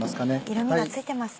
色みがついてますね。